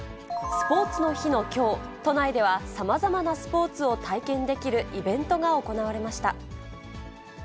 スポーツの日のきょう、都内ではさまざまなスポーツを体験できるイベントが行われました。